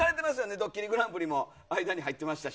「ドッキリＧＰ」も間に入ってましたし。